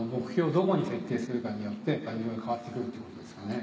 どこに設定するかによっていろいろ変わってくるということですかね。